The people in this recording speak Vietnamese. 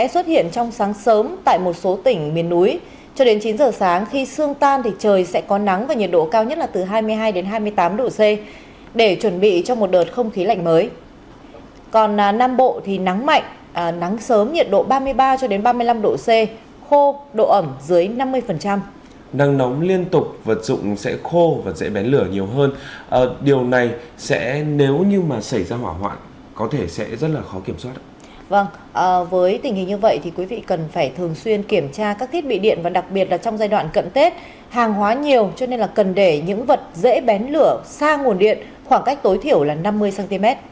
vâng với tình hình như vậy thì quý vị cần phải thường xuyên kiểm tra các thiết bị điện và đặc biệt là trong giai đoạn cận tết hàng hóa nhiều cho nên là cần để những vật dễ bén lửa xa nguồn điện khoảng cách tối thiểu là năm mươi cm